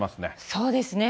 そうですね。